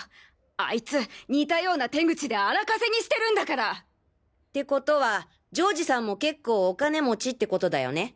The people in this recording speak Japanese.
アイツ似たような手口で荒稼ぎしてるんだから！ってことは丈治さんも結構お金持ちってことだよね？